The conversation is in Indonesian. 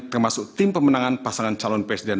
termasuk tim pemenangan pasangan calon presiden